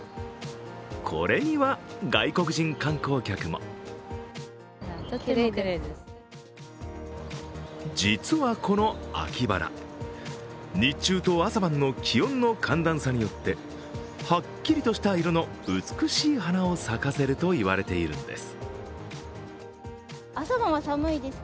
これには外国人観光客も実はこの秋ばら、日中と朝晩の気温の寒暖差によってはっきりとした色の美しい花を咲かせるといわれているんです。